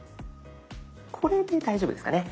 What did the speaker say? これで大丈夫ですかね。